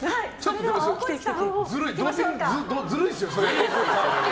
ずるいですよ。